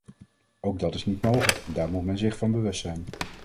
Ook dat is niet mogelijk en daar moet men zich van bewust zijn.